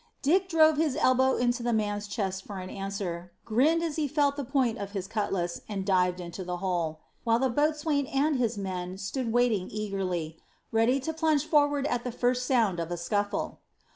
Dick drove his elbow into the man's chest for an answer, grinned as he felt the point of his cutlass, and dived into the hole, while the boatswain and his men stood waiting eagerly, ready to plunge forward at the first sound of a scuffle.